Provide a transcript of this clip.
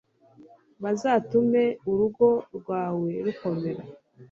bazatume urugo rwawe rukomera